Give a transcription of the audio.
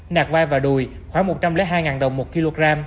nạc vai và đùi khoảng một trăm linh hai đồng một kg